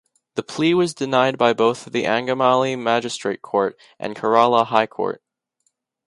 The plea was denied by both the Angamaly Magistrate Court and Kerala High Court.